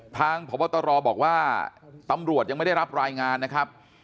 พบตรบอกว่าตำรวจยังไม่ได้รับรายงานนะครับ